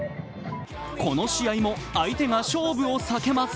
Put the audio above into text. この試合も相手が勝負を避けます。